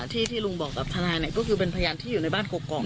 ที่ที่ลุงบอกกับทนายก็คือเป็นพยานที่อยู่ในบ้านกรอก